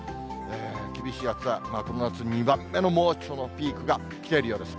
厳しい暑さ、この夏２番目の猛暑のピークがきているようです。